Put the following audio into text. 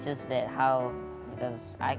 saya tidak mengatakan bahwa saya lebih baik